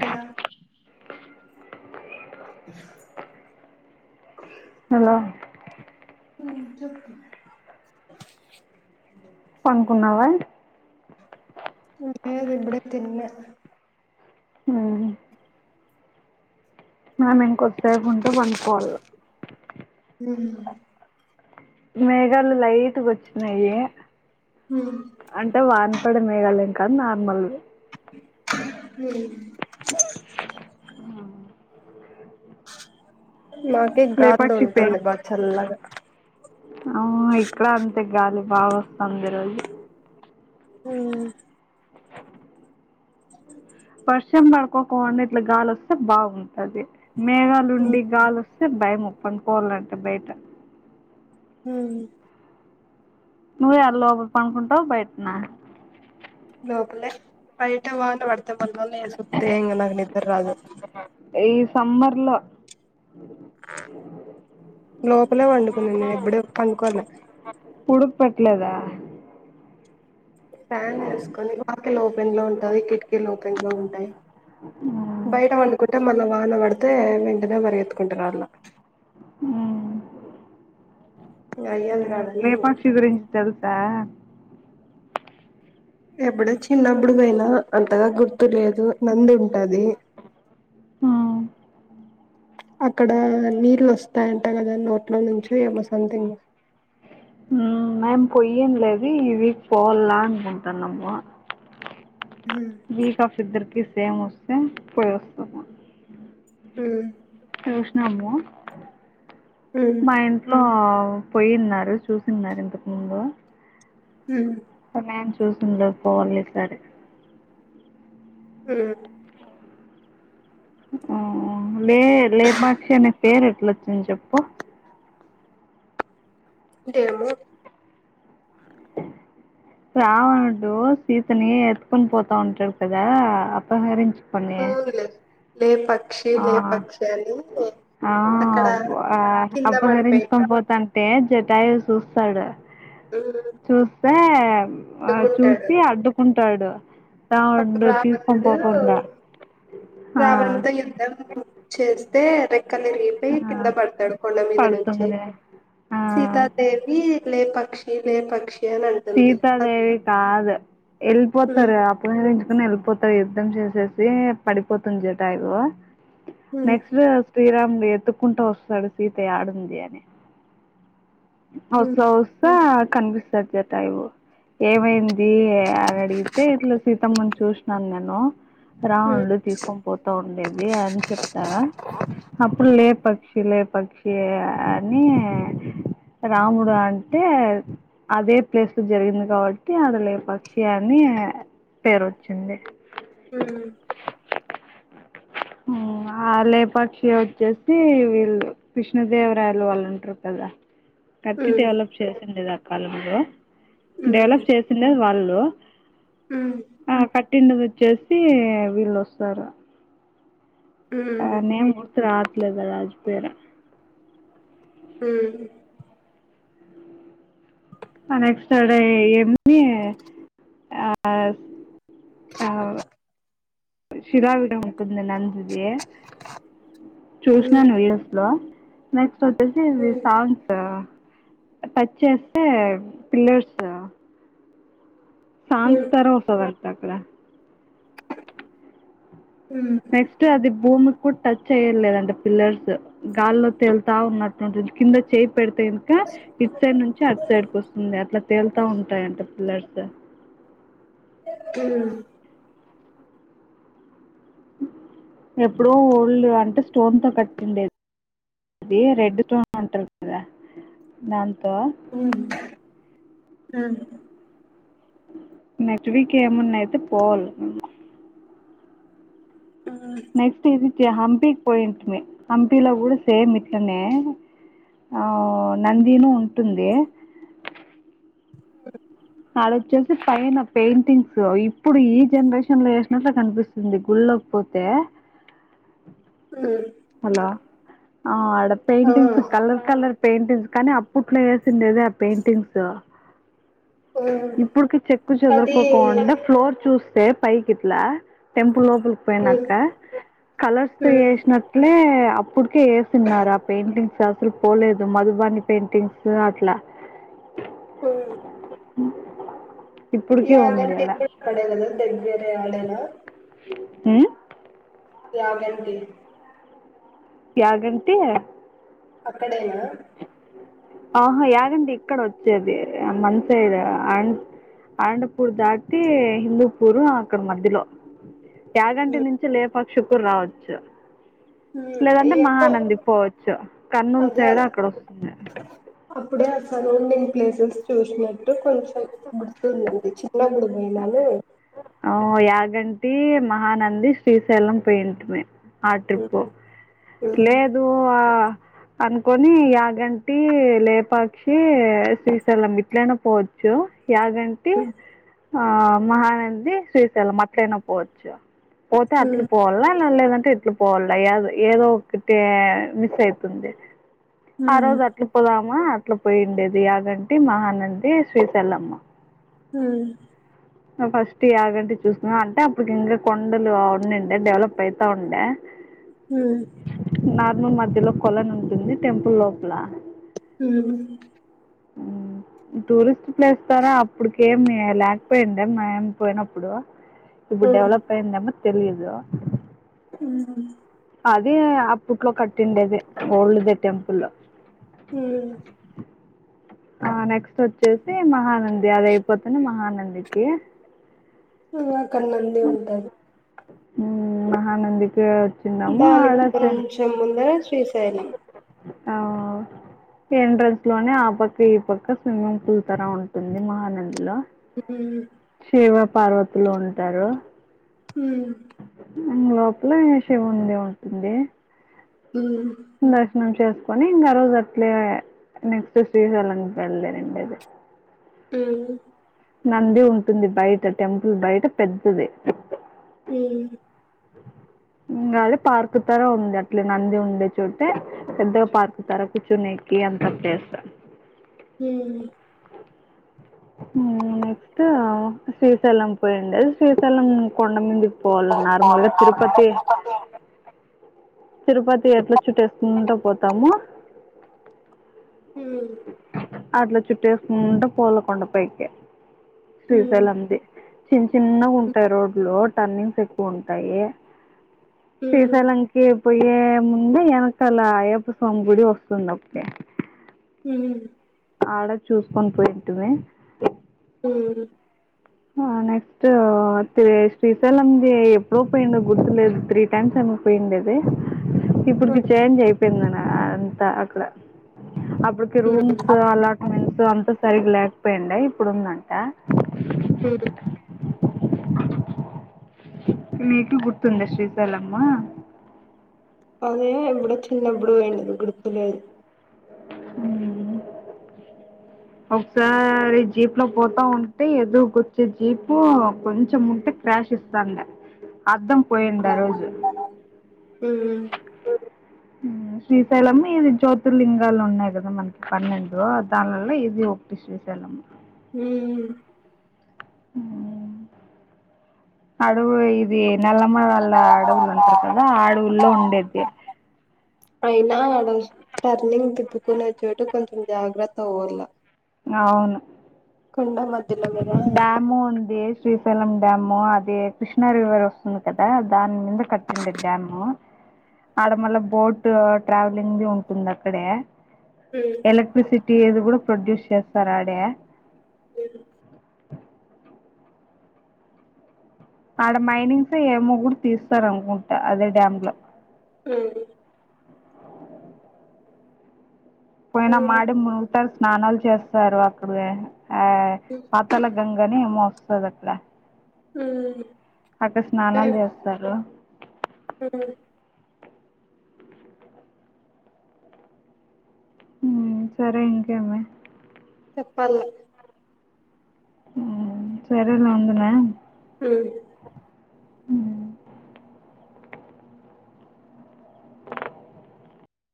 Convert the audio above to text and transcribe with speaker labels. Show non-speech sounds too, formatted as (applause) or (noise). Speaker 1: Hello
Speaker 2: hello
Speaker 1: ఉమ్మ్ చెప్పు
Speaker 2: పనుకున్నావా
Speaker 1: లేదు ఇప్పుడే తిన్న
Speaker 2: ఉమ్మ్ మేము ఇంకొద్దిసేపు ఉంటే పండుకోవాల
Speaker 1: ఉమ్మ్
Speaker 2: మేఘాలు లైట్‌గా వచ్చినాయి అంటే వాన పడే మేఘాలు ఎంకాదు నార్మల్‌వే
Speaker 1: మ్మ్ నాకే గాలి
Speaker 2: లేపాక్షి పొయి
Speaker 1: తోలుతుంది బాగా చల్లగా
Speaker 2: ఆ ఇక్కడ అంతే గాలి బాగావస్తాది ఈరోజు
Speaker 1: ఉమ్మ్
Speaker 2: వర్షం పడుకోకుండా ఇట్లా గాలోస్తే బాగుంటది మేఘాలుండి గాలోస్తే భయము పండుకోవాలంటే బయట
Speaker 1: ఉమ్మ్
Speaker 2: నువ్వు యాడ లోపల పండుకుంటావా బయటనా
Speaker 1: లోపలే బయట వాన పడితే మల్ల లేసోత్తే ఇంగ నాకు ని
Speaker 2: ఈ సమ్మర్ లో
Speaker 1: లోపలే పండుకున్నా నేను ఎప్పుడు పండుకోలే
Speaker 2: ఉడుకు పట్లేదా
Speaker 1: ఫ్యాన్ వేసుకొని వాకిలి ఓపెన్ లో ఉంటది కిటికీలు ఓపెన్ లో ఉంటాయి
Speaker 2: మ్మ్
Speaker 1: బయట పండుకుంటే మళ్ళా వాన పడితే వెంటనే పరిగెత్తుకుంట రావళ్ళ
Speaker 2: మ్మ్
Speaker 1: అయ్యేది
Speaker 2: ఆ
Speaker 1: కాదని
Speaker 2: లేపాక్షి గురించి తెలుసా
Speaker 1: ఎప్పుడో చిన్నప్పుడు పోయినా అంతగా గుర్తు లేదు నంది ఉంటది
Speaker 2: ఆ
Speaker 1: అక్కడ నీళ్ళు వస్తాయంట కదా నోట్లో నుంచి ఏమో సంథింగ్
Speaker 2: మేము పొయ్యిండ్లేదు ఈ వీక్ పోవల్ల అనుకుంటానమ వీకా ఆఫ్ ఇద్దరికి సేమ్ వస్తే పోయి వస్తము
Speaker 1: మ్మ్
Speaker 2: అమ్మో మా ఇంట్లో మ్మ్ పోయిన్నారు చూసిన్నారు ఇంతకు ముందు
Speaker 1: మ్మ్
Speaker 2: మేం చూసిండలేదు పోవల్ల ఈ సారి
Speaker 1: మ్మ్
Speaker 2: మ్మ్ లే లేపాక్షి అనే పేరు ఎట్లొచ్చింది చెప్పు
Speaker 1: డేమో
Speaker 2: రావణుడు సీతని ఎత్తుకని పోతా ఉంటారు కదా అపహరించు కొని
Speaker 1: అవునులే లే పక్షి
Speaker 2: ఆ
Speaker 1: లే పక్షి అని
Speaker 2: ఆ
Speaker 1: అక్కడ
Speaker 2: అప
Speaker 1: కింద పడిపోయింది
Speaker 2: అపహరించుకని పోతంటే సి టైల్ చూస్తాడు చూస్తే ఆ
Speaker 1: అడ్డుకుంటాడు
Speaker 2: చూసి అడ్డుకుంటాడు
Speaker 1: అప్పుడు
Speaker 2: రావణుడు తీసుకొని
Speaker 1: రావణుడు
Speaker 2: పోకుండా ఆ
Speaker 1: రావణు (unintelligible) (unintelligible) చేస్తే రెక్కలు
Speaker 2: ఆ
Speaker 1: ఇరిగిపోయి కింద పడతాడు కొండ మీద నుంచి
Speaker 2: పడుతుంది ఆ
Speaker 1: సీతాదేవి లే పక్షి లేపక్షి
Speaker 2: సీతాదేవి కాదు
Speaker 1: ఉమ్
Speaker 2: వెళ్ళిపోతారు అప్పుడు మీ ఎంచుకని వెళ్ళి పోతాడు యుద్ధం చేసేసి పడిపోతుంది జటాయువు
Speaker 1: ఉమ్
Speaker 2: నెక్స్ట్ శ్రీరాముడు ఎతుకుంటు వస్తాడు సీత యాడుంది అని అవుత
Speaker 1: ఉమ్
Speaker 2: వాస్త కనిపిస్తాది జటాయువు ఏమైంది అని అడిగితే ఇట్ల సీతమ్మని చూసినాను నేను
Speaker 1: ఉమ్
Speaker 2: రావణుడు తీసుకొని పోతా ఉండేది అని చెప్తాడ అప్పుడు లే పక్షి లే పక్షి అని రాముడు అంటే అదే ప్లేస్ జరిగింది కాబట్టి ఆడ లేపక్షి అని పేరు వచ్చింది
Speaker 1: ఉమ్
Speaker 2: మ్మ్ ఆ లేపాక్షి వచ్చేసి వీళ్ళు కృష్ణదేవరాయలు వాళ్ళుంటారు కదా కట్టి
Speaker 1: ఉమ్,
Speaker 2: డెవలప్ చేసిండేది ఆ కాలంలో డెవలప్ చేసిండేది వాళ్ళు
Speaker 1: మ్మ్
Speaker 2: పుట్టిండేది వచ్చేసి వీళ్ళొస్తారు ఆ
Speaker 1: ఉమ్,
Speaker 2: నేమ్ గుర్తు రావట్లేదు కదా మర్చిపోయిన
Speaker 1: ఉమ్,
Speaker 2: ఆ నెక్స్ట్ డే ఏంది ఆ ఆ షిరావిడంకుంది నందిది
Speaker 1: ఉమ్, ఉమ్,
Speaker 2: చూసినాను న్యూస్ లో నెక్స్ట్ వచ్చేసి
Speaker 1: ఉమ్,
Speaker 2: ఇది
Speaker 1: ఉమ్,
Speaker 2: సాంగ్స్ టచ్చేస్తే పిల్లర్స్ సాంగ్స్
Speaker 1: ఉమ్,
Speaker 2: తర వస్తాడంట అక్కడ నెక్స్ట్ అది భూమి కు టచ్ అయ్యలేదండి పిల్లర్స్ గాల్లో తేలుతా ఉన్నట్టుంటుంది కింద చేయి పెడితే ఇసుక స్ ఇటు సైడ్ నుంచి అటు సైడ్కి వస్తుంది అట్లా తేలుతా ఉంటాయాంట పిల్లర్స్
Speaker 1: హ్మ్
Speaker 2: ఎప్పుడో ఓల్డ్ అట్ట స్టోన్ తో కట్టిండది అది రెడ్ టోన్ అంటారు కదా దాంతో
Speaker 1: ఉ హా
Speaker 2: నెక్ట్ వీక్ ఏమున్నా అయితే పోవాల్
Speaker 1: ఉమ్, ఉమ్.
Speaker 2: నెక్స్ట్ ఇది హంపికి పోయింటిమి హంపిలో కూడా సేమ్ ఇట్లనే ఆవ్ నందినూ ఉంటుంది
Speaker 1: అ
Speaker 2: ఆడోచ్చేసి పైన పెయింటింగ్స్ ఇప్పుడు ఈ జనరేషన్ లో వేసినట్టు కనిపిస్తుంది గుళ్ళో పోతే హలో ఆ ఆడ
Speaker 1: ఆ,
Speaker 2: పెయింటింగ్స్ కలర్ కలర్ పెయింటింగ్స్ కానీ అప్పుట్లో వేసిండేదే ఆ పెయింటింగ్స్
Speaker 1: ఉమ్.
Speaker 2: ఇప్పుడుకి చెక్
Speaker 1: అది
Speaker 2: చెదురుకోకొండా ఫ్లోర్ చూస్ తే పైకిట్లా టెంపుల్ లోపలికి
Speaker 1: ఉమ్,
Speaker 2: పోయినాక కలర్స్
Speaker 1: ఉమ్,
Speaker 2: వేసినాకా నీ అప్పుటికే ఏసిన్నారు ఆ పెయింటింగ్స్ అసలు పోలేదు మధుబాని పెయింటింగ్స్ అట్లా
Speaker 1: హు
Speaker 2: అ
Speaker 1: గంట (unintelligible)
Speaker 2: ఉహ్
Speaker 1: చాగంటి
Speaker 2: యాగంటి
Speaker 1: అక్కడేనా
Speaker 2: ఆహా యాగంటి ఇక్కడ వచ్చేది మన సైడే అయిండుపూర్ దాటి హిందూపూరు అక్కడ మధ్యలో యాగంటి
Speaker 1: ఉమ్,
Speaker 2: నుంచి లేపాక్షకు రావచ్చు
Speaker 1: ఉమ్.
Speaker 2: లేదంటే
Speaker 1: ఏమో
Speaker 2: మహానందికీ పోవచ్చు కర్నూలు
Speaker 1: అదే
Speaker 2: సైడ్
Speaker 1: అదే.
Speaker 2: అక్కడ వస్తుంది
Speaker 1: అప్పుడే అక్కడే ఉండిని ప్లేసెస్ చూసినట్టు కొంచెం గుర్తుతుంది చిన్నపుడు పోయినా
Speaker 2: ఆ యాగంటి మహానంది శ్రీశెలం పోయింటిమి ఆ
Speaker 1: ఉమ్,
Speaker 2: ట్రిప్పు
Speaker 1: ఉమ్,
Speaker 2: లేదు ఆ అనుకొని యాగంటి లేపాక్షి శ్రీశైలం ఇట్లైనా పోవచ్చు యాగంటి
Speaker 1: ఉమ్,
Speaker 2: ఆ మహానంది శ్రీశైలం అట్లయినా పోవచ్చు పోతే అట్లు
Speaker 1: ఉమ్.
Speaker 2: పోవాల అలా లేదం ఎట్లా పోవాల ఏదో ఒకటి మిస్ అయితుంది ఆ రోజు అట్లా పోదాం మ్మా అట్లా పోయిండేది యాగంటి మహానంది శ్రీశైలమ్మ
Speaker 1: హు
Speaker 2: ఫస్ట్ యాగంటి చూన్నా అంటే అప్పడుకి ఇంకా కొండలు ఉండేయండీ డెవలప్ అయితా ఉండే
Speaker 1: హ్
Speaker 2: నార్నూల్ మధ్యలో కొలన్ ఉంటుంది టెంపుల్ లోపల.
Speaker 1: హ్
Speaker 2: హ్ టూరిస్ట్ ప్లేస్ తరా అప్పుడుకేమి లేకపోయింది మాయమ్మి పోయినప్పుడు. ఇప్పుడు డెవలప్ అయిందెమో తెలియదు.
Speaker 1: హ్
Speaker 2: అది అప్పట్లో కట్టిండేదే ఓల్డ్ దే టెంపుల్.
Speaker 1: హ్
Speaker 2: ఆ నెక్స్ట్ వచ్చేసి మహానంది. అది అయిపోతనే మహానందికి.
Speaker 1: అ అక్కడ నంది ఉంటరు.
Speaker 2: మహానందికి వచ్చిన్నాము
Speaker 1: దానికి
Speaker 2: ఆడ
Speaker 1: కొంచెం ముందర శ్రీశైలం.
Speaker 2: అవు ఎంట్రన్స్ లోనే ఆ పక్క, ఈ పక్క స్విమ్మింగ్ పూల్ తరా ఉంటుంది మహానంది లో.
Speaker 1: హ
Speaker 2: శివపార్వతులు ఉంటరు.
Speaker 1: హ్
Speaker 2: లోపల శివున్దే ఉంటుంది. నట్ నుంచి చేసుకొని ఇంగా ఆ రోజు అట్లే నెక్స్ట్ శ్రీశైలంకు బయళ్దేరుండేది.
Speaker 1: హ్
Speaker 2: నంది ఉంటుంది బయట టెంపుల్ బయట పెద్దది. అ ఇంగ అదే పార్కు తర ఉంది అట్లే నంది ఉండే చోటే పెద్దగా పార్కు తర కూర్చునేెకి. ఎంత చేస్తా.
Speaker 1: హ్
Speaker 2: నెక్స్ట్ శ్రీశైలం పోయిండేది. శ్రీశైలం కొండమీది పోవల్ నార్మల్గా తిరుపతి తిరుపతి ఎట్లా చుట్టేసుకుంటా పోతామో
Speaker 1: హ్
Speaker 2: అట్లా చుట్టేసుకుంటా పోవలా కొండపైకి శ్రీశైలంది. చిన్న చిన్నగా ఉంటాయి రోడ్లు, టర్నింగ్స్ ఎక్కువ ఉంటాయి. శ్రీశైలంకి పోయ్యే ముందే ఎనకాల అయ్యప్ప స్వామి గుడి వస్తుంది ఒకటి.
Speaker 1: హ్
Speaker 2: ఆడ చూసుకొని పోయింటిమి.
Speaker 1: హ్
Speaker 2: ఆ నెక్స్ట్ త్రీ శ్రీశైలంది ఎప్పుడో పోయిండో గుర్తులేదు త్రీ టైమ్స్ ఎ మో పోయిండేది. ఇప్పుడుకి చేంజ్ అయిపోయిందన అంతా అక్కడ. అప్పటికి రూమ్స్ అలాట్మెంట్స్ అంతా సరిగ్గా లేకపోయిండే ఇప్పుడుందంటా.
Speaker 1: హ్
Speaker 2: మీకు గుర్తుందా శ్రీశైలము.
Speaker 1: అదే ఎప్పుడో చిన్నప్పుడు పోయిండే గుర్తులేదు.
Speaker 2: ఉం ఒకసారి జీప్ లో పోతా ఉంటే ఎదురుకొచ్చే జీపు కొంచెం ఉంటే క్రాష్ ఇస్తాండే అద్దం పోయింది ఆ రోజు
Speaker 1: ఉం
Speaker 2: ఉం శ్రీశైలం ఇది జ్యోతిర్లింగాలు ఉన్నాయి కదా మనకి పన్నెండు దానిల్ల ఇ ఇది ఒకటి శ్రీశైలం
Speaker 1: ఉం
Speaker 2: ఉం అడవు ఇది నల్లమలా అడవులు అంటారు కదా అడవుల్లో ఉండేది
Speaker 1: అయినా ఆడ టర్నింగ్ దిప్పుకునే చోటు కొంచెం జాగ్రత్త అవ్వాల
Speaker 2: అవును
Speaker 1: మధ్యలో కదా
Speaker 2: డ్యాము ఉంది శ్రీశైలం డ్యాము అది కృష్ణా రివర్ వస్తుంది కదా దాని మీద కట్టిండే డ్యాము ఆడ మళ్ళ బోట్ ట్రావెలింగ్ ది ఉంటుంది అక్కడే
Speaker 1: ఉమ్
Speaker 2: ఎలక్ట్రిసిటీ ది కూడా ప్రొడ్యూస్ చేస్తారు ఆడే ఆడ మైనింగ్స్ ఏమో కూడా తీస్తారు అనుకుంటా అదే డ్యామ్ లో
Speaker 1: ఉం
Speaker 2: పోయినమ్ ఆడే మునుగుతారు స్నానాలు చేస్తారు అక్కడే ఆ
Speaker 1: ఉమ్
Speaker 2: పాతాల గంగ గానీ ఏమో వస్తది అట్లా
Speaker 1: ఉం
Speaker 2: అక్కడ స్నానాలు చేస్తారు ఉం సరే ఇంకెంది
Speaker 1: చెప్పాల
Speaker 2: ఉం సరేలే ఉండనే
Speaker 1: ఉం
Speaker 2: ఉం